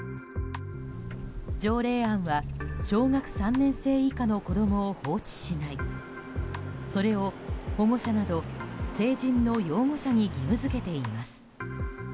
条例案は小学３年生以下の子供を放置しないそれを保護者など成人の養護者に義務付けています。